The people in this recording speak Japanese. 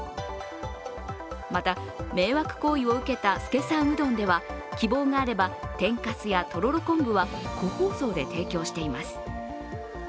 また迷惑行為を受けた資さんうどんでは希望があれば天かすやととろ昆布は個包装で提供しています。